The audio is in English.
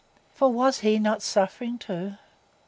For was not he suffering too?